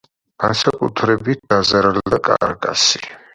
განსაკუთრებით დაზარალდა კარაკასი.